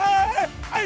はい！